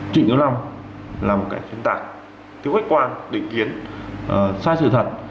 trịnh hữu long là một cái chuyên tạc thiếu khách quan định kiến sai sự thật